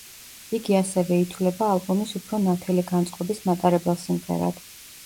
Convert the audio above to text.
იგი ასევე ითვლება ალბომის უფრო ნათელი განწყობის მატარებელ სიმღერად.